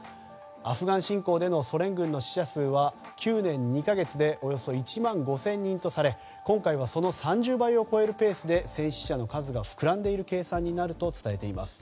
アフガン侵攻でのソ連軍の死者数は９年２か月でおよそ１万５０００人とされ今回はその３０倍を超えるペースで戦死者の数が膨らんでいる計算になると伝えています。